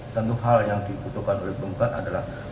tentu hal yang dibutuhkan oleh penggugat adalah